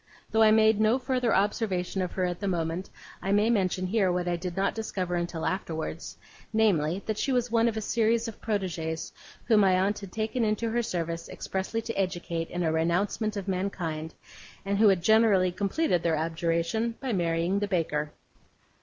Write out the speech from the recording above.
Though I made no further observation of her at the moment, I may mention here what I did not discover until afterwards, namely, that she was one of a series of protegees whom my aunt had taken into her service expressly to educate in a renouncement of mankind, and who had generally completed their abjuration by marrying the baker.